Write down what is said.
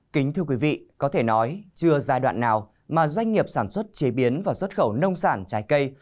kính thưa quý vị có thể nói chưa giai đoạn nào mà doanh nghiệp sản xuất chế biến và xuất khẩu nông sản trái cây